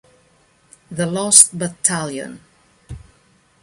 The Lost Battalion